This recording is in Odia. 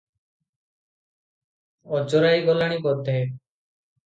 ଅଜରାଇ ଗଲାଣି ବୋଧେ ।